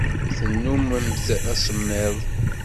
Tennummemt asemmiḍ.